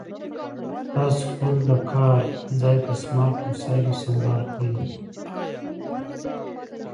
تاسو خپل د کار ځای په سمارټ وسایلو سمبال کړئ.